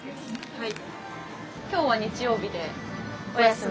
はい。